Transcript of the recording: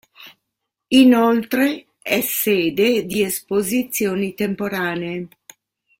Inoltre è sede di esposizioni temporanee.